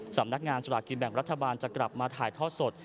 สำนักงานสลากกินแบ่งรัฐบาลจะกลับมาถ่ายทอดสด